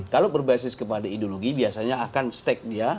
kalau berbasis kepada ideologi biasanya akan steak dia